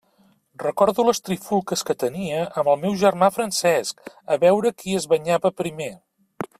Recordo les trifulgues que tenia amb el meu germà Francesc a veure qui es banyava primer.